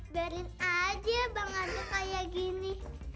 biarin aja bang aduh kayak gini